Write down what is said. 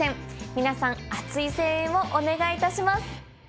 皆さん熱い声援をお願いいたします！